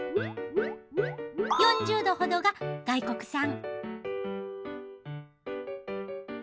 ４０℃ほどが外国産。